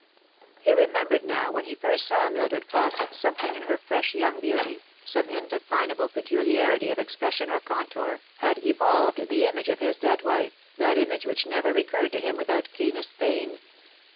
He remembered now when he first saw Mildred Fausset some thing in her fresh young beauty, some indefinable peculiarity of expression or contour, had evolved the image of his dead wife, that image which never recurred to him without keenest pain.